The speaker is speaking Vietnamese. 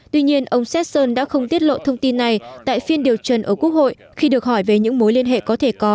tuy nhiên ông sesson đã không tiết lộ thông tin này tại phiên điều trần ở quốc hội khi được hỏi về những mối liên hệ có thể có